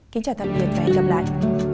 kính chào tạm biệt và hẹn gặp lại